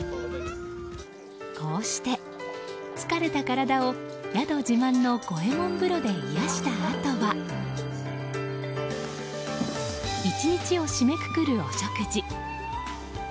こうして疲れた体を宿自慢の五右衛門風呂で癒やしたあとは１日を締めくくるお食事。